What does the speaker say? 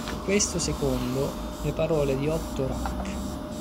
Questo secondo le parole di Otto Rank.